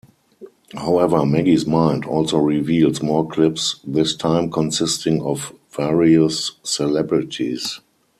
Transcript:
However, Maggie's mind also reveals more clips, this time consisting of various celebrities.